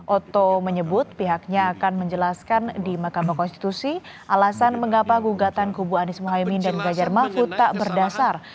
oto menyebut pihaknya akan menjelaskan di mahkamah konstitusi alasan mengapa gugatan kubu anies mohaimin dan ganjar mahfud tak berdasar